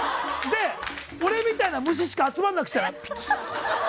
俺みたいな虫しか集まらなくしたい。